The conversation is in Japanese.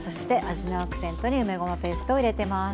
味のアクセントに梅ごまペーストを入れてます。